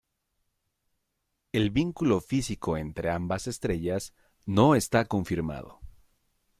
El vínculo físico entre ambas estrellas no está confirmado.